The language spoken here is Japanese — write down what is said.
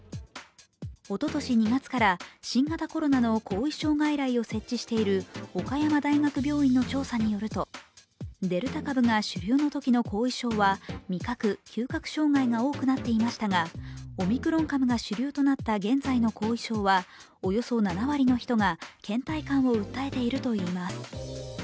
おととし２月から新型コロナの後遺症外来を設置している、岡山大学病院に調査によるとデルタ株が主流の時の後遺症は味覚・嗅覚障害が多くなっていましたが、オミクロン株が主流となった現在の後遺症はおよそ７割の人がけん怠感を訴えているといいます。